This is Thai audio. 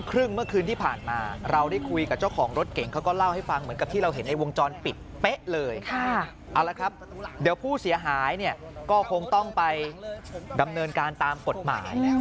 เอาละครับเดี๋ยวผู้เสียหายเนี่ยก็คงต้องไปดำเนินการตามกฎหมาย